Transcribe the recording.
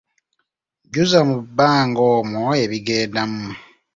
Jjuza mu banga omwo ebigendamu.